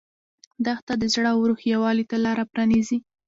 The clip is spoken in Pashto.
دښته د زړه او روح یووالي ته لاره پرانیزي.